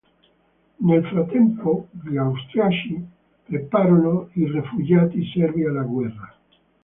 Nel frattempo, gli austriaci prepararono i rifugiati serbi alla guerra.